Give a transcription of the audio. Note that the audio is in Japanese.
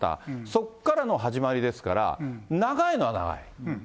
そっからの始まりですから、長いのは長い。